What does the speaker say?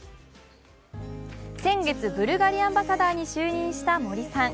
先月、ブルガリアンバサダーに就任した森さん。